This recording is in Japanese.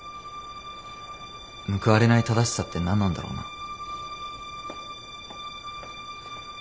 報われない正しさって何なんだろうな。